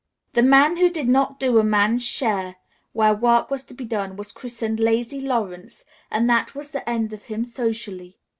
The man who did not do a man's share where work was to be done was christened "Lazy Lawrence," and that was the end of him socially.